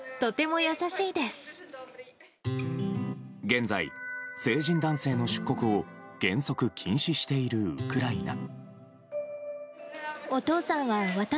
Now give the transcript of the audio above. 現在、成人男性の出国を原則禁止しているウクライナ。